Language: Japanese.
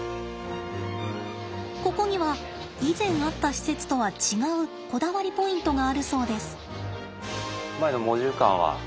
ここには以前あった施設とは違うこだわりポイントがあるそうです。